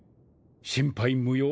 心配無用。